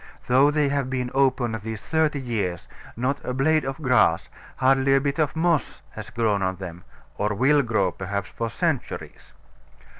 Though they have been open these thirty years, not a blade of grass, hardly a bit of moss, has grown on them, or will grow, perhaps, for centuries.